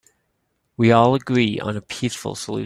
We all agree on a peaceful solution.